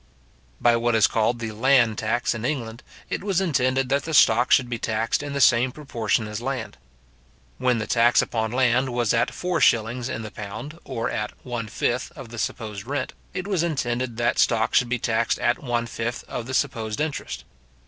By what is called the land tax in England, it was intended that the stock should be taxed in the same proportion as land. When the tax upon land was at four shillings in the pound, or at one fifth of the supposed rent, it was intended that stock should be taxed at one fifth of the supposed interest.